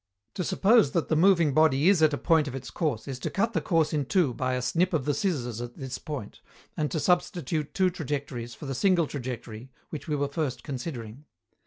To suppose that the moving body is at a point of its course is to cut the course in two by a snip of the scissors at this point, and to substitute two trajectories for the single trajectory which we were first considering.